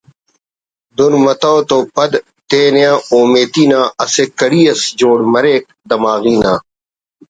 دن متو تو پد تے نا اومیتی نا اسہ کڑی اس جوڑ مریک دماغی نا